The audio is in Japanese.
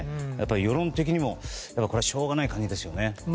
世論的にもしょうがない感じですよね。